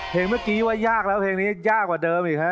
เมื่อกี้ว่ายากแล้วเพลงนี้ยากกว่าเดิมอีกฮะ